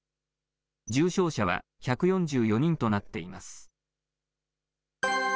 重症者は１４４人となっています。